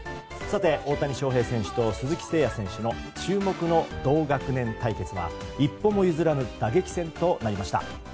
大谷翔平選手と鈴木誠也選手の注目の同学年対決は一歩も譲らぬ打撃戦となりました。